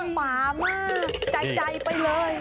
หมามากใจไปเลย